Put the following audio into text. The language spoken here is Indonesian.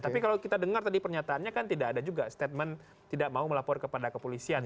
tapi kalau kita dengar tadi pernyataannya kan tidak ada juga statement tidak mau melapor kepada kepolisian